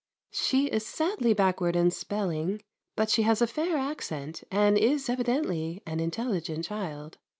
She is sadly backward in spelling: but she has a fair accent and is evidently an intelligent child.